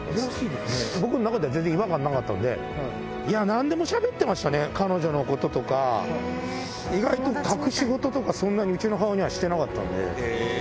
僕の中では全然違和感なかったんで、なんでもしゃべってましたね、彼女のこととか、意外と隠し事とか、そんなにうちの母親にはしてなかったんで。